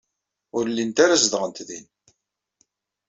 Ur llint ara zedɣent din.